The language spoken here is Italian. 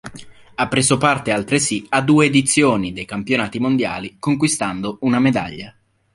Ha preso parte altresì a due edizioni dei campionati mondiali, conquistando una medaglia.